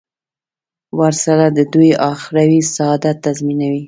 ورسره د دوی اخروي سعادت تضمینوي.